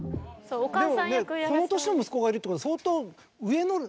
この年の息子がいるってことは。